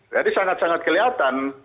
jadi sangat sangat kelihatan